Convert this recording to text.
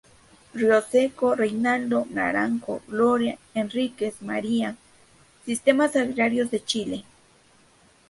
Rioseco, Reinaldo, Naranjo, Gloria, Henríquez, María: Sistemas agrarios de Chile.